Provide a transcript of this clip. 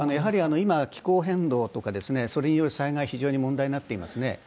今、気候変動とかそれによる災害が非常に問題になっていますね。